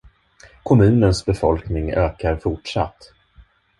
Kommunens befolkning ökar fortsatt.